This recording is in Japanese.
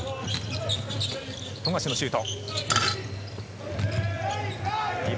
富樫のシュート。